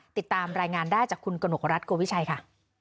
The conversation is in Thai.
ติดตามรายงานได้จากคุณกนกรัฐโกวิชัยค่ะ